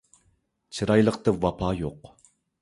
چىرايلىقتا ۋاپا يوق